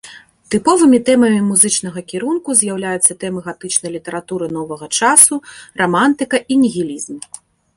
Тыповымі тэмамі музычнага кірунку з'яўляюцца тэмы гатычнай літаратуры новага часу, рамантыка і нігілізм.